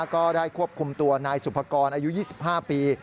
ก็ได้ควบคุมตัวนายสุภกรอายุ๒๕ปี